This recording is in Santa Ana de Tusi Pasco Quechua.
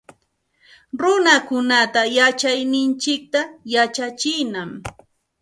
Runakunata yachayninchikta yachachinam